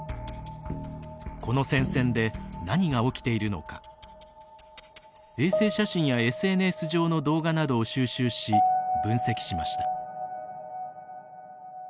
この戦線で何が起きているのか衛星写真やＳＮＳ上の動画などを収集し、分析しました。